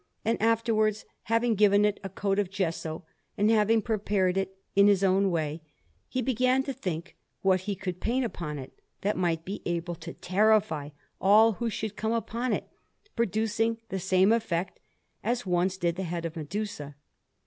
And afterwards, having given it a coat of gesso, and having prepared it in his own way, he began to think what he could paint upon it, that might be able to terrify all who should come upon it, producing the same effect as once did the head of Medusa.